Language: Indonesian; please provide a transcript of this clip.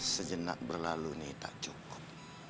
sejenak berlalu ini tak cukup